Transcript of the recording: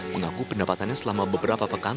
mengaku pendapatannya selama beberapa pekan